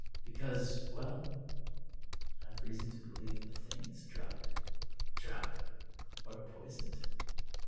"" Because — well, I've reason to believe the thing is drugged." "Drugged!" " Or poisoned."